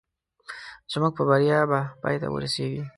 زموږ په بریا به پای ته ورسېږي